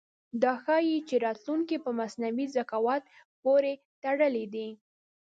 دا ښيي چې راتلونکی په مصنوعي ذکاوت پورې تړلی دی.